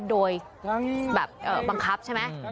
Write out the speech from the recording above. โดยแบบบังคับใช่ไหม